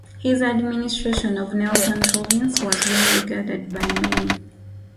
His administration of Nelson Province was well regarded by many.